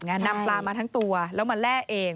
นำปลามาทั้งตัวแล้วมาแร่เอง